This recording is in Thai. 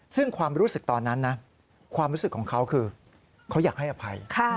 ซึ่งความรู้สึกตอนนั้นนะความรู้สึกของเขาคือเขาอยากให้อภัย